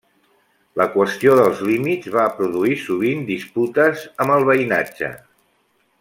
La qüestió dels límits va produir sovint disputes amb el veïnatge.